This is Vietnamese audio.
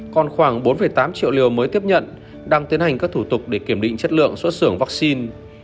còn khoảng bốn tám triệu liều mới tiếp nhận đang tiến hành các thủ tục để kiểm định chất lượng xuất xưởng vaccine